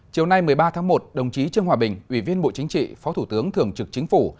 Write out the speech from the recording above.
chiều nay một mươi ba tháng một đồng chí trương hòa bình ủy viên bộ chính trị phó thủ tướng thường trực chính phủ